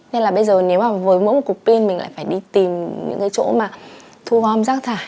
nên là bây giờ nếu mà với mỗi một cục pin mình lại phải đi tìm những cái chỗ mà thu gom rác thải